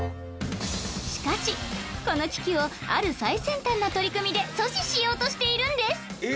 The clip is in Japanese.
しかしこの危機をある最先端な取り組みで阻止しようとしているんです！